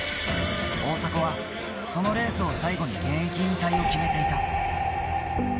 大迫はそのレースを最後に現役引退を決めていた。